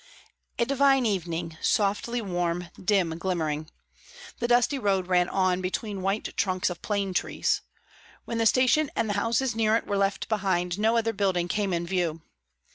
A divine evening, softly warm, dim glimmering. The dusty road ran on between white trunks of plane trees; when the station and the houses near it were left behind, no other building came in view.